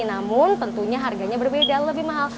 namun tentunya harganya berbeda lebih mahal